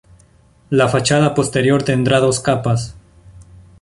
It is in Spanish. La fachada posterior tendrá dos capas.